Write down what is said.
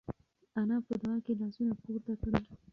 انا په دعا کې لاسونه پورته کړل.